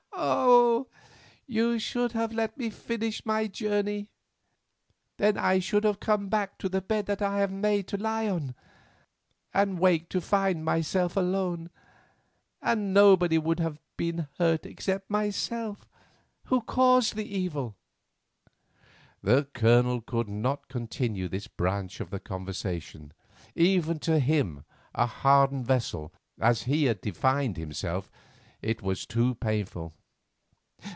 Oh! you should have let me finish my journey. Then I should have come back to the bed that I have made to lie on, and waked to find myself alone, and nobody would have been hurt except myself who caused the evil." The Colonel could not continue this branch of the conversation. Even to him, a hardened vessel, as he had defined himself, it was too painful.